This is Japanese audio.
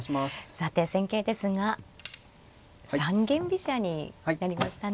さて戦型ですが三間飛車になりましたね。